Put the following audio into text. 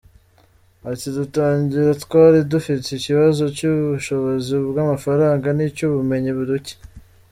Ati “Dutangira twari dufite ikibazo cy’ubushobozi bw’amafaranga n’icy’ubumenyi buke.